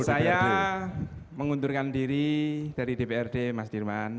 saya mengundurkan diri dari dprd mas dirman